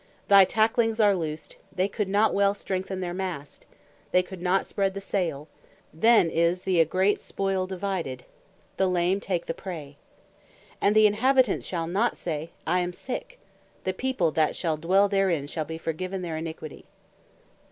Thy tacklings are loosed; they could not well strengthen their mast; they could not spread the sail: then is the prey of a great spoil divided; the lame take the prey. And the Inhabitant shall not say, I am sicke; the people that shall dwell therein shall be forgiven their Iniquity."